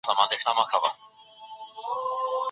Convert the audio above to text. هغه مبارک به د خپلو ميرمنو تر منځ څه کول؟